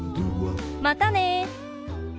またね！